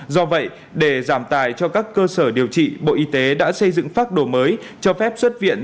do vậy để giảm tài cho các cơ sở điều trị bộ y tế đã xây dựng pháp đồ mới cho phép xuất viện